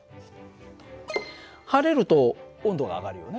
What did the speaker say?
晴れると温度が上がるよね。